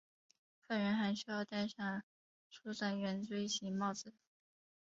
犯人还需要戴上竖长圆锥形帽子。